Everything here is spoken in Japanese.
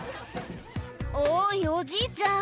おいおじいちゃん